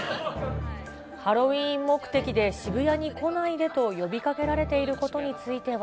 ハロウィーン目的で渋谷に来ないでと呼びかけられていることについては。